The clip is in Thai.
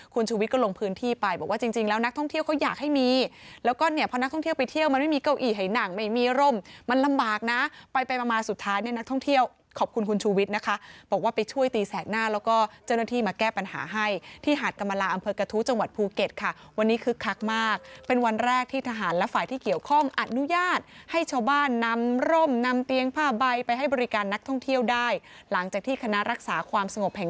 เขาอยากให้มีแล้วก็เนี่ยพอนักท่องเที่ยวไปเที่ยวมันไม่มีเก้าอี้ไห่หนังไม่มีรมมันลำบากนะไปไปมามาสุดท้ายเนี่ยนักท่องเที่ยวขอบคุณคุณชุวิตนะคะบอกว่าไปช่วยตีแสกหน้าแล้วก็เจ้าหน้าที่มาแก้ปัญหาให้ที่หาดกรรมลาอำเภอกระทู้จังหวัดภูเก็ตค่ะวันนี้คือคักมากเป็นวันแรกที่ทหารและฝ่ายที่เก